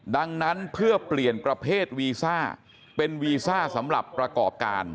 ดังนั้นเพื่อเปลี่ยนประเภทวีซ่าเป็นวีซ่าสำหรับประกอบการ